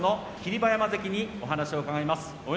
馬山関にお話を伺います。